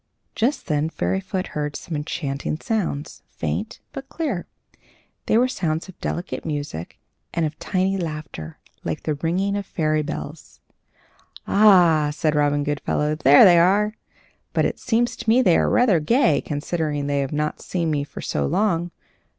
Just then Fairyfoot heard some enchanting sounds, faint, but clear. They were sounds of delicate music and of tiny laughter, like the ringing of fairy bells. "Ah!" said Robin Goodfellow, "there they are! But it seems to me they are rather gay, considering they have not seen me for so long.